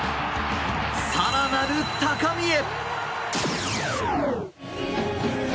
更なる高みへ！